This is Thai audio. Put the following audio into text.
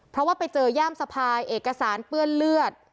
เพราะว่าไปเจอย่ามสะพายเอกสารเปื้อนเลือด